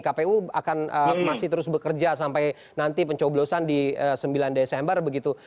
kpu akan masih terus bekerja sampai nanti pencoblosan di sembilan desember begitu